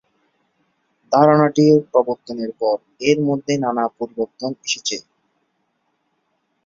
ধারণাটির প্রবর্তনের পর এর মধ্যে নানা পরিবর্তন এসেছে।